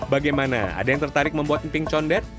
bagaimana ada yang tertarik membuat emping condet